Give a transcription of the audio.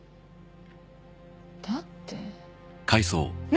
だってね